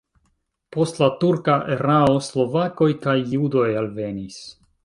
Post la turka erao slovakoj kaj judoj alvenis.